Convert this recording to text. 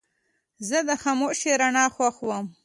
زه د خاموشې رڼا خوښوم.